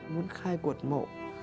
muốn khai cuộc mộ